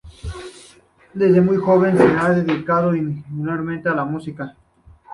Desde muy joven se ha dedicado igualmente a la música.